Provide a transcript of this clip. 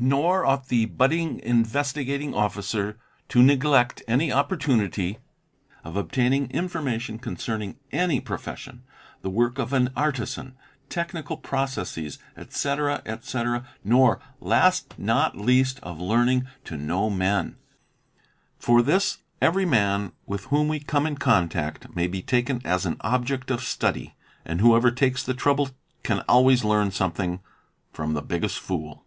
Nor ought the budding Investigating Officer to neglect any oppor _ tunity of obtaining information concerning any profession, the work of an artisan, technical processes, etc., etc., nor, last not least, of learning to know men. For this every man with whom we come in contact may be taken as an object of study, and whoever takes the trouble can always we learn something from the biggest fool.